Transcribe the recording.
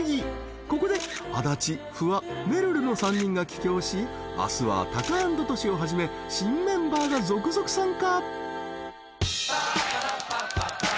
［ここで足立フワめるるの３人が帰京し明日はタカアンドトシをはじめ新メンバーが続々参加］